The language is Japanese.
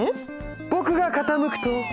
僕が傾くと。